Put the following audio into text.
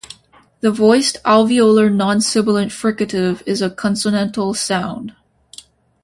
The voiced alveolar non-sibilant fricative is a consonantal sound.